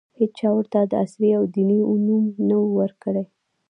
هېچا ورته د عصري او دیني نوم نه ؤ ورکړی.